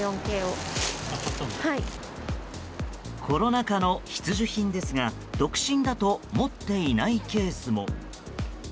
コロナ禍の必需品ですが独身だと持っていないケースも。